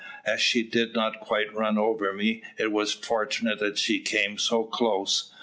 As she did not quite run over me, it was fortunate that she came so close.